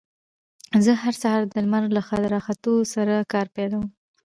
زه هر سهار د لمر له راختو سره کار پيلوم.